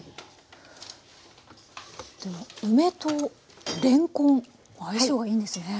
梅とれんこん相性がいいんですね。